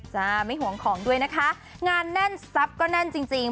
ไม่ห่วงของด้วยนะคะงานแน่นทรัพย์ก็แน่นจริง